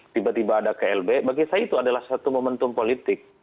tiba tiba ada klb bagi saya itu adalah satu momentum politik